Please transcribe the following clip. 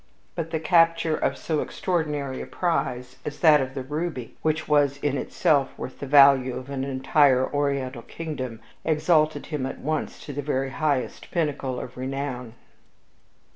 But the capture of so extraordinary a prize as that of the ruby which was, in itself, worth the value of an entire Oriental kingdom exalted him at once to the very highest pinnacle of renown.